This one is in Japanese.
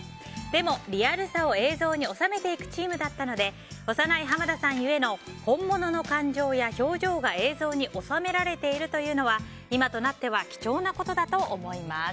でも、リアルさを映像に収めていくチームだったので幼い濱田さん故の本物の感情や表情が映像に収められているというのは今となっては貴重なことだと思います。